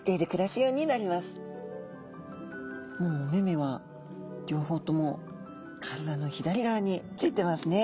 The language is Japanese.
もうお目々は両方とも体の左側についてますね。